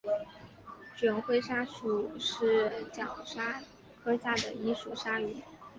卷盔鲨属是角鲨科下的一属鲨鱼。